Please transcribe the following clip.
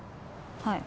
はい。